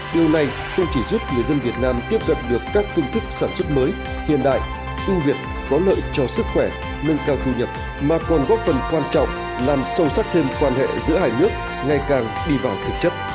điều này không chỉ giúp người dân việt nam tiếp cận được các phương thức sản xuất mới hiện đại ưu việt có lợi cho sức khỏe nâng cao thu nhập mà còn góp phần quan trọng làm sâu sắc thêm quan hệ giữa hai nước ngày càng đi vào thực chất